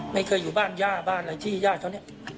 ไม่เคยอยู่บ้านย่าบ้านอะไรที่ญาติเขาเนี่ย